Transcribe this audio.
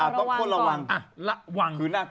ต้องโคตรระวัง